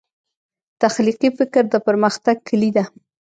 تخلیقي فکر د پرمختګ کلي دی.